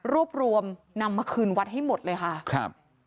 รวบรวมนำมาคืนวัดให้หมดเลยค่ะครับ